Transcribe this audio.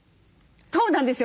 そうなんですよ。